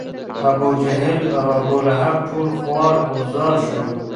ابوجهل او ابولهب ټول خوار و زار شول.